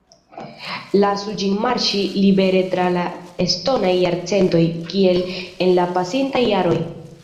Lasu ĝin marŝi libere tra la estontaj jarcentoj, kiel en la pasintaj jaroj.